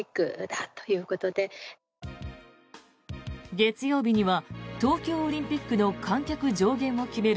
月曜日には東京オリンピックの観客上限を決める